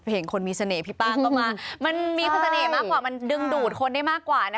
เห็นคนมีเสน่หพี่ป้าก็มามันมีคนเสน่ห์มากกว่ามันดึงดูดคนได้มากกว่านะคะ